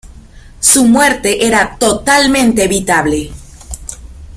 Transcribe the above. Su muerte era totalmente evitable".